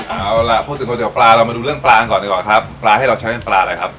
เอาล่ะพวกเจ้าเดี๋ยวปลาเรามาดูเรื่องปลาก่อนก่อนครับปลาให้เราใช้เป็นปลาอะไรครับ